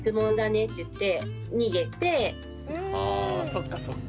そっかそっか。